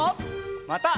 また。